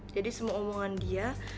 jadi semua omongan dia